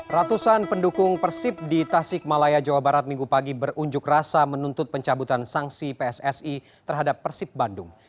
ratusan pendukung persib di tasik malaya jawa barat minggu pagi berunjuk rasa menuntut pencabutan sanksi pssi terhadap persib bandung